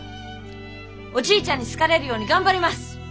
おじいちゃんに好かれるように頑張ります。